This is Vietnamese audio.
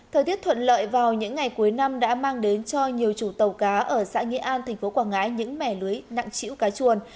thời tiết thuận lợi vào những ngày cuối năm đã mang đến cho nhiều chủ tàu cá ở xã nghĩa an tp quảng ngãi những mẻ lưới nặng chĩu cá chuông